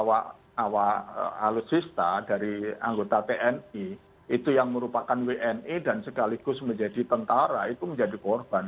awak alutsista dari anggota tni itu yang merupakan wni dan sekaligus menjadi tentara itu menjadi korban